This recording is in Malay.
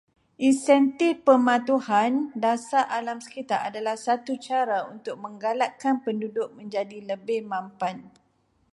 Insentif pematuhan dasar alam sekitar adalah satu cara untuk menggalakkan penduduk menjadi lebih mampan